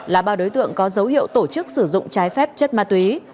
là ba đối tượng có dấu hiệu tổ chức sử dụng trái phép chất ma túy